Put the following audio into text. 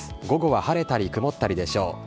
午後は晴れたり曇ったりでしょう。